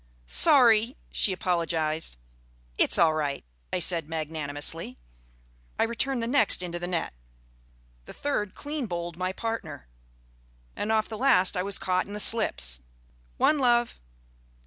("Sorry," she apologised. "It's all right," I said magnanimously.) I returned the next into the net; the third clean bowled my partner; and off the last I was caught in the slips. (_One, love.